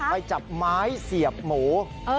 ไปจับไม้เสียบหมู